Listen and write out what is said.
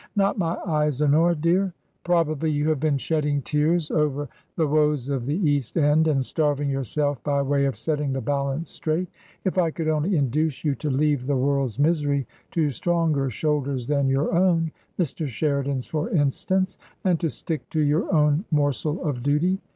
•' Not my eyes, Honora, dear." T "Probably you have been shedding tears over the it 286 TRANSITION, woes of the East End and starving yourself by way of setting the balance straight. If I could only induce you to leave the world's misery to stronger shoulders than your own — Mr. Sheridan's, for instance — and to stick to your own morsel of duty.